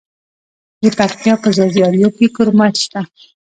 د پکتیا په ځاځي اریوب کې کرومایټ شته.